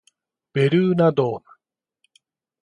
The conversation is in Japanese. ベルーナドーム